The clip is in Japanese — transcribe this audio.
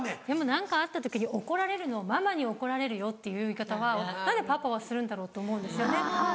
でも何かあった時に怒られるのを「ママに怒られるよ」っていう言い方は何でパパはするんだろうって思うんですよね。